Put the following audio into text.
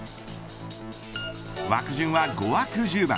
枠順は５枠１０番。